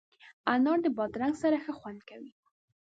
انار د بادرنګ سره ښه خوند کوي.